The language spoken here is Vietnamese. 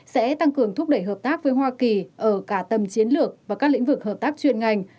sẽ tăng cường thúc đẩy hợp tác với hoa kỳ ở cả tầm chiến lược và các lĩnh vực hợp tác chuyên ngành